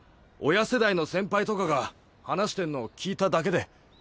親世代の先輩とかが話してんの聞いただけで。